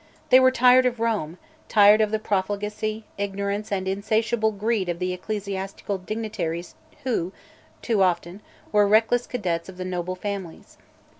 They were tired of Rome, tired of the profligacy, ignorance, and insatiable greed of the ecclesiastical dignitaries who, too often, were reckless cadets of the noble families.